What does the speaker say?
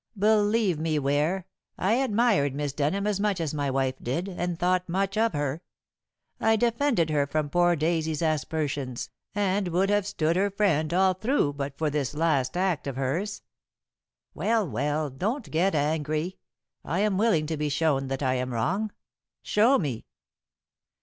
Believe me, Ware, I admired Miss Denham as much as my wife did, and thought much of her. I defended her from poor Daisy's aspersions, and would have stood her friend all through but for this last act of hers. Well! Well, don't get angry. I am willing to be shown that I am wrong. Show me."